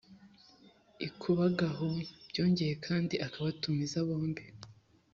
ikuba gahu byongeye kandi akabatumiza bombi